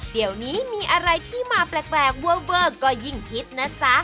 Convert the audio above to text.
เดี๋ยวนี้มีอะไรที่มาแปลกเวอร์ก็ยิ่งฮิตนะจ๊ะ